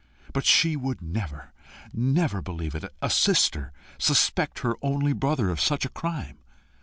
But she would never, never believe it! A sister suspect her only brother of such a crime!